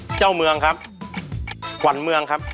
ไอโถไอเปี๊ยกไอเท่งครับ